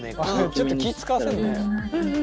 ちょっと気ぃ遣わせんなよ。